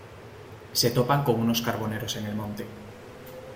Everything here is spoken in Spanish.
Se topan con unos carboneros en el monte.